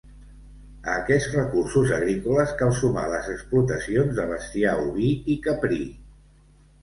A aquests recursos agrícoles cal sumar les explotacions de bestiar oví i caprí.